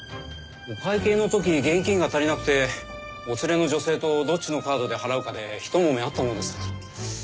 お会計の時現金が足りなくてお連れの女性とどっちのカードで払うかでひと揉めあったものですから。